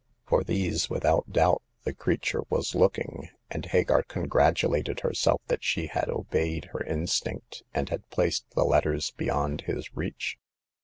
For these, without doubt, the crea ture was looking, and Hagar congratulated her self that she had obeyed her instinct, and had placed the letters beyond his reach.